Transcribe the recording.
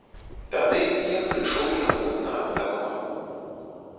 Тады я прыйшоў яму на дапамагу.